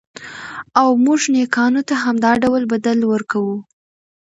او موږ نېکانو ته همدا ډول بدل ورکوو.